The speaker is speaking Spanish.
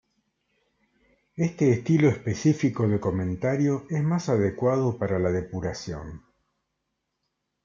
Este estilo específico de comentario es más adecuado para la depuración.